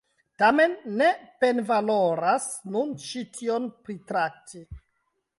Tamen, ne penvaloras nun ĉi tion pritrakti.